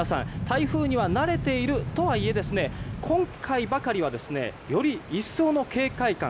台風には慣れているとはいえ今回ばかりはより一層の警戒感